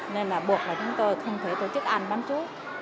nên là buộc là chúng tôi không thể tổ chức ăn bán chú